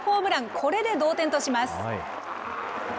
これで同点とします。